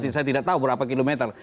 saya tidak tahu berapa kilometer